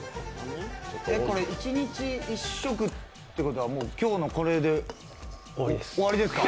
これ、一日１食ってことは今日のこれで終わりですか？